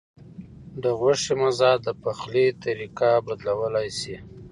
د غوښې مزه د پخلي طریقه بدلولی شي.